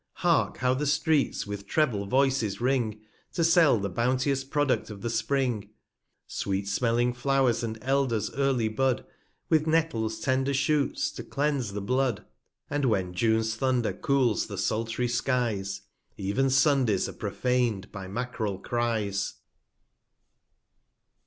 Hark, how the Streets with treble Voices ring, 305 To sell the bounteous Product of the Spring ! Sweet smelling Flow'rs, and Elders early Bud, With Nettle's tender Shoots, to cleanse the Blood : And when Junes Thunder cools the sultry Skies, Ev'n Sundays are prophan'd by Mackrell Cries.